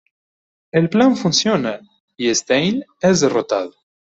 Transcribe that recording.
El plan funciona, y Stane es derrotado.